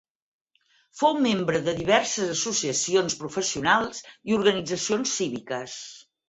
Fou membre de diverses associacions professionals i organitzacions cíviques.